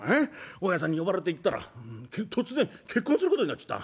大家さんに呼ばれて行ったら突然結婚することになっちった。